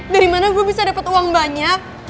dari mana gue bisa dapat uang banyak